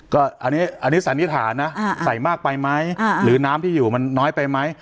ก็อันนี้สันนิษฐานนะใส่มากไปไหมหรือน้ำที่อยู่มันน้อยไปไหม